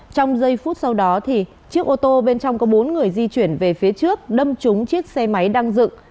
trong giây phút sau đó chiếc ô tô bên trong có bốn người di chuyển về phía trước đâm trúng chiếc xe máy đang dựng